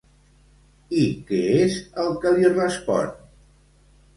I què és el que li respon?